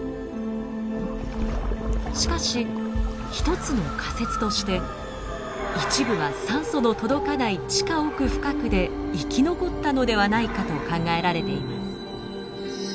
しかし一つの仮説として一部は酸素の届かない地下奥深くで生き残ったのではないかと考えられています。